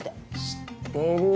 知ってる。